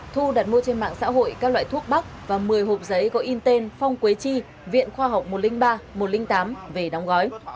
thu đặt mua trên mạng xã hội các loại thuốc bắc và một mươi hộp giấy gọi in tên phong quế chi viện khoa học một trăm linh ba một trăm linh tám về đóng gói